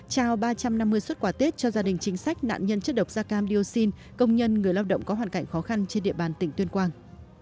trao ba trăm năm mươi xuất quà tết cho gia đình chính sách nạn nhân chất độc da cam dioxin công nhân người lao động có hoàn cảnh khó khăn trên địa bàn tỉnh tuyên quang